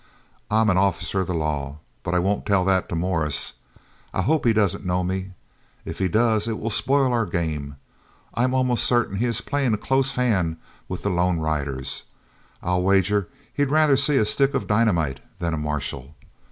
I'm an officer of the law, but I won't tell that to Morris. I hope he doesn't know me. If he does it will spoil our game. I am almost certain he is playing a close hand with the lone riders. I'll wager he'd rather see a stick of dynamite than a marshal.